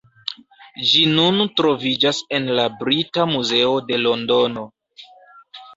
Ĝi nun troviĝas en la Brita Muzeo de Londono.